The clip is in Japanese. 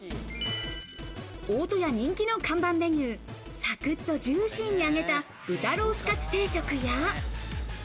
大戸屋人気の看板メニュー、サクッとジューシーに揚げた豚ロースかつ定食や。